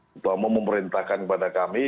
ketua umum memerintahkan kepada kami